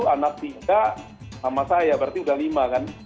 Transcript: tiga satu anak tiga sama saya berarti udah lima kan